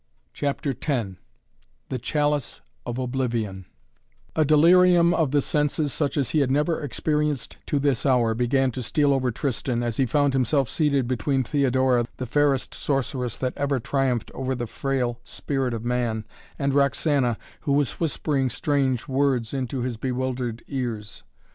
CHAPTER X THE CHALICE OF OBLIVION A delirium of the senses such as he had never experienced to this hour began to steal over Tristan, as he found himself seated between Theodora, the fairest sorceress that ever triumphed over the frail spirit of man and Roxana, who was whispering strange words into his bewildered ears.